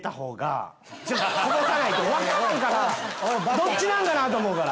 どっちなんかなと思うから。